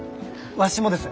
わしもです。